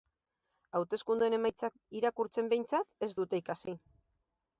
Hauteskundeen emaitzak irakurtzen behintzat ez dute ikasi.